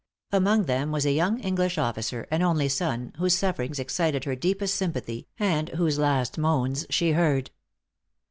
Among them was a young English officer, an only son, whose sufferings excited her deepest sympathy, and whose last moans she heard.